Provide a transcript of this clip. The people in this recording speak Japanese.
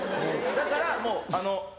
だからもう。